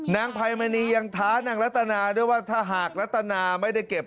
นางไพมณียังท้านางรัตนาด้วยว่าถ้าหากรัตนาไม่ได้เก็บ